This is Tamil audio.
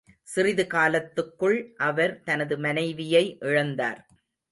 சிறிது காலத்துக்குள் அவர் தனது மனைவியை இழந்தார்.